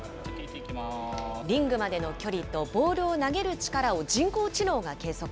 リングまでの距離とボールを投げる力を人工知能が計測。